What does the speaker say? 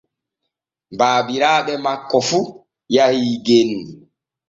Baabiraaɓe makko fu yahii genni.